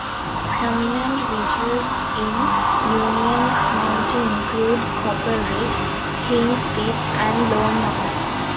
Prominent ridges in Union County include Copper Ridge, Hinds Ridge and Lone Mountain.